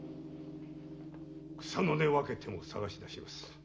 草の根分けても捜し出します。